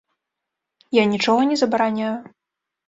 Я нічога не забараняю.